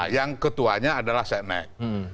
yang ketuanya adalah sesnek